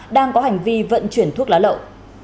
đang có hành vi vận chuyển thuốc lá lậu